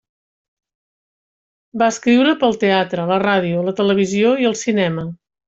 Va escriure per al teatre, la ràdio, la televisió i el cinema.